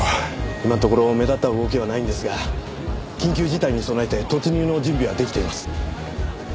今のところ目立った動きはないんですが緊急事態に備えて突入の準備は出来ています。